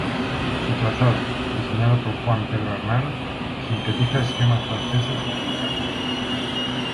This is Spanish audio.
Su trazado, diseñado por Juan Pedro Arnal, sintetiza esquemas franceses e italianos.